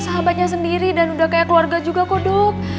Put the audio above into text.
sahabatnya sendiri dan udah kayak keluarga juga kok dok